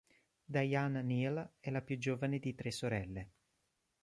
Diane Neal è la più giovane di tre sorelle.